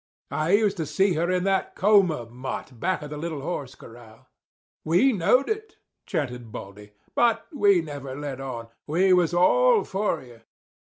I used to see her in that coma mott back of the little horse corral." "We knowed it," chanted Baldy; "but we never let on. We was all for you.